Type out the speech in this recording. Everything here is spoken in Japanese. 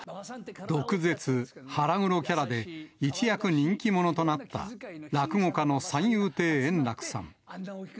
毒舌、腹黒キャラで、一躍人気者となった、落語家の三遊亭円楽さん。